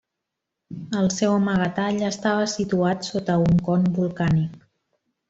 El seu amagatall estava situat sota un con volcànic.